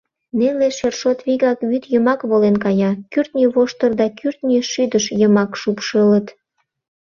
Неле шершот вигак вӱд йымак волен кая: кӱртньӧ воштыр да кӱртньӧ шӱдыш йымак шупшылыт.